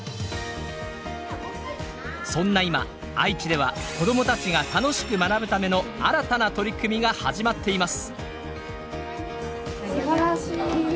そんな今愛知では子どもたちが楽しく学ぶための新たな取り組みが始まっています。